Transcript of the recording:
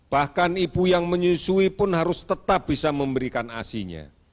bahkan ibu yang menyusui pun harus tetap bisa memberikan asinya